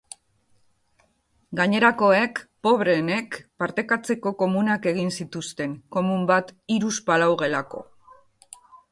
Gainerakoek, pobreenek, partekatzeko komunak egin zituzten, komun bat hiruzpalau gelako.